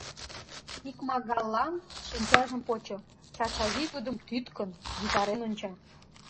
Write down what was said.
Икмагаллан шинчажым почо — Чачавий тудым тӱткын, витарен онча.